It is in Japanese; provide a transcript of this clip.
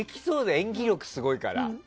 演技力すごいから。